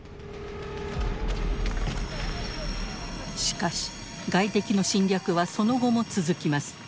しかし外敵の侵略はその後も続きます。